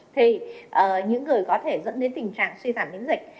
thì những người có thể dẫn đến tình trạng suy giảm miễn dịch